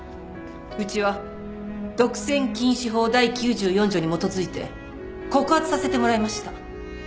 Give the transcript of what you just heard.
うちは独占禁止法第９４条に基づいて告発させてもらいました。